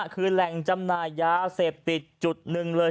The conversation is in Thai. คือแหล่งจำหน่ายยาเสพติดจุดหนึ่งเลย